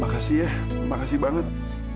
makasih ya makasih banget